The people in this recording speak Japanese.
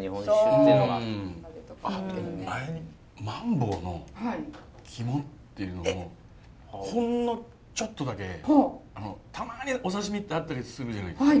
あっでも前マンボウの肝っていうのをほんのちょっとだけたまにお刺身ってあったりするじゃないですか。